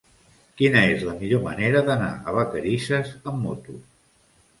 Quina és la millor manera d'anar a Vacarisses amb moto?